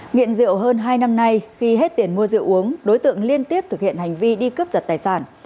nghiện rượu hơn hai năm nay khi hết tiền mua rượu uống đối tượng liên tiếp thực hiện hành vi đi cướp giật tài sản